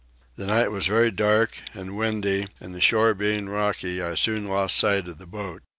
The night was very dark and windy and the shore being rocky I soon lost sight of the boat.